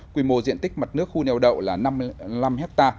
quy mô diện tích mặt nước khu neo đậu là năm mươi năm ha